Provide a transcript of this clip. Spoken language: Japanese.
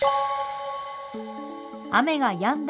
雨がやんだ